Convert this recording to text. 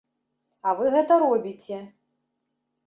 А вы гэта робіце!